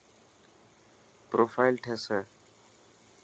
پروفائل ٺيسي.